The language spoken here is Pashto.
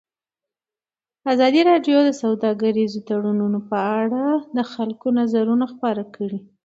ازادي راډیو د سوداګریز تړونونه په اړه د خلکو نظرونه خپاره کړي.